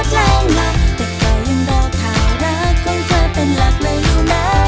แต่ใกล้ยังต่อข่าวรักคนเธอเป็นหรอกไม่รู้ไหน